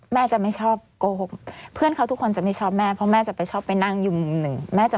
แม่จะไม่ชอบโกหกเพื่อนเขาทุกคนจะไม่ชอบแม่